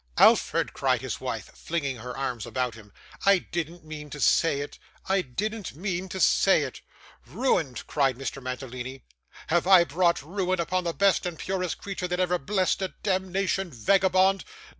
'Alfred,' cried his wife, flinging her arms about him, 'I didn't mean to say it, I didn't mean to say it!' 'Ruined!' cried Mr. Mantalini. 'Have I brought ruin upon the best and purest creature that ever blessed a demnition vagabond!